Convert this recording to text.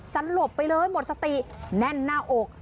สลบไปเลยหมดสติแน่นหน้าอก